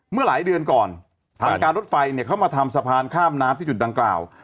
เมื่อหลายเดือนก่อนทางการรถไฟเนี่ยเขามาทำสะพานข้ามน้ำที่จุดดังกล่าว